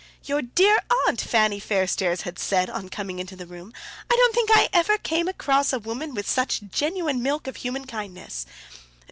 "Your dear aunt!" Fanny Fairstairs had said on coming into the room. "I don't think I ever came across a woman with such genuine milk of human kindness!"